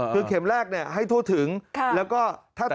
คือเข็มแรกเนี่ยให้ทวดถึงแล้วก็ถ้าต่อไป